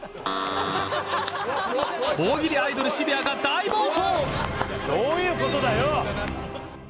大喜利アイドル、渋谷がどういうことだよ！